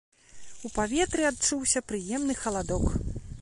У паветры адчуўся прыемны халадок.